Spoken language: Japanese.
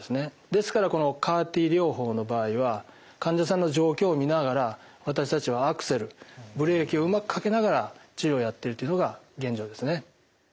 ですからこのＣＡＲ−Ｔ療法の場合は患者さんの状況を見ながら私たちはアクセルブレーキをうまくかけながら治療をやっているっていうのが現状ですね。